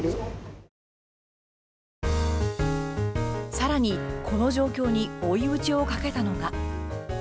更に、この状況に追い打ちをかけたのが。